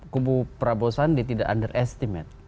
kubu prabowo sandi tidak underestimate